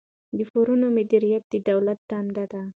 د پورونو مدیریت د دولت دنده ده.